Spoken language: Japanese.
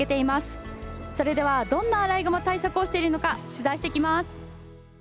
それではどんなアライグマ対策をしているのか取材してきます。